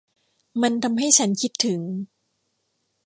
มันทำให้ฉันคิดถึง